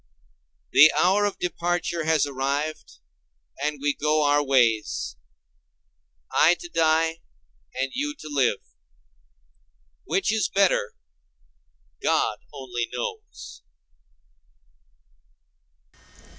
The hour of departure has arrived, and we go our ways—I to die, and you to live. Which is better, God only knows.